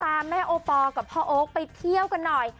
แม่โอปอลกับพ่อโอ๊คไปเที่ยวกันหน่อย